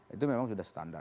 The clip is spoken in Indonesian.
itu memang sudah standar